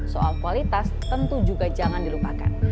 soal kualitas tentu juga jangan dilupakan